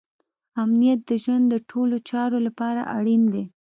امنیت د ژوند د ټولو چارو لپاره اړین دی.